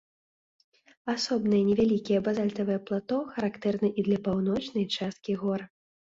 Асобныя невялікія базальтавыя плато характэрны і для паўночнай часткі гор.